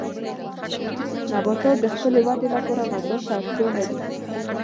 نباتات د خپلې ودې لپاره غذا ته اړتیا لري.